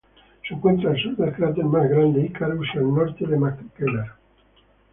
Se encuentra al sur del cráter más grande Icarus, y al norte de McKellar.